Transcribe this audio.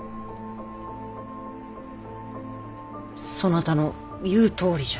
そなたの言うとおりじゃ。